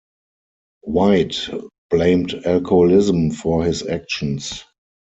White blamed alcoholism for his actions.